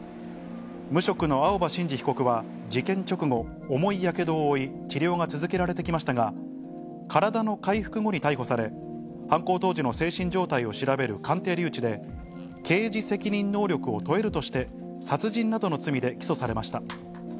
無職の青葉真司被告は事件直後、重いやけどを負い、治療が続けられてきましたが、体の回復後に逮捕され、犯行当時の精神状態を調べる鑑定留置で、刑事責任能力を問えるとして、殺人などの罪で起訴されました。